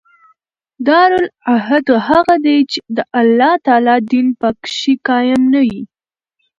دارالعهد هغه دئ، چي د الله تعالی دین په کښي قایم نه يي.